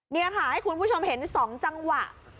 นี่ค่ะให้คุณผู้ชมเห็น๒จังหวะ